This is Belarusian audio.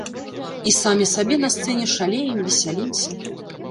І самі сабе на сцэне шалеем, весялімся.